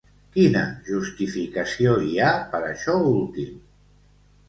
Quina justificació hi ha per això últim?